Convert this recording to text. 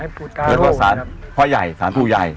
หติว่าสารพองพระอาจารย์และสารปูยาย